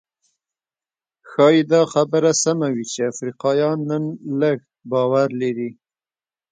ښايي دا خبره سمه وي چې افریقایان نن لږ باور لري.